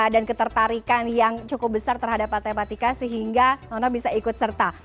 dan ketertarikan yang cukup besar terhadap matematika sehingga nono bisa ikut serta